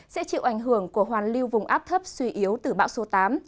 sẽ chịu ảnh hưởng của hoàn lưu vùng áp thấp suy yếu từ bão số tám